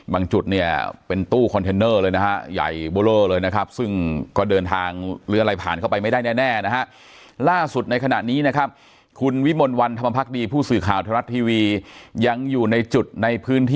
บางจุดเนี่ยเป็นตู้เหมือนจูนลิงค์เลยนะฮะ